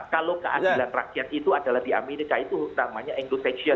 kalau keadilan rakyat itu adalah di amerika itu namanya engrovection